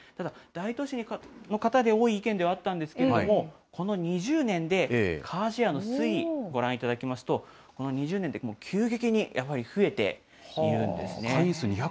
ただ、大都市の方で多い意見ではあったんですけれども、この２０年でカーシェアの推移、ご覧いただきますと、この２０年で急激にやはり増えているんですね。